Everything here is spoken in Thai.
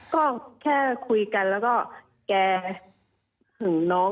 ก็แค่คุยกันแล้วก็แกหึงน้อง